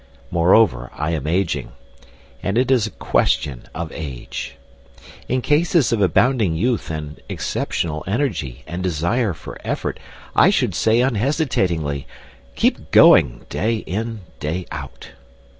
Moreover, I am ageing. And it is a question of age. In cases of abounding youth and exceptional energy and desire for effort I should say unhesitatingly: Keep going, day in, day out.